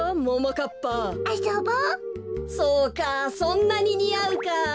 そうかそんなににあうか。